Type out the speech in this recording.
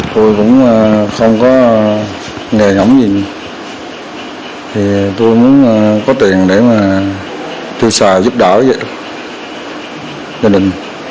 tôi cũng không có nghề ngẫm gì tôi muốn có tiền để tiêu xài giúp đỡ gia đình